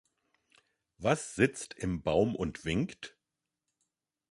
Was sitzt im Baum und winkt?